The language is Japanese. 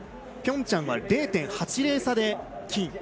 ピョンチャンは０．８０差で金。